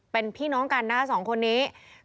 เป็นพี่น้องกันนะสองคนนี้